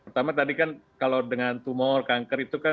pertama tadi kan kalau dengan tumor kanker itu kan